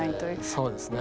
そうですね。